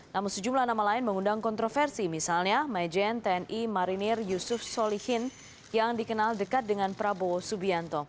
namun sejumlah nama lain mengundang kontroversi misalnya majen tni marinir yusuf solihin yang dikenal dekat dengan prabowo subianto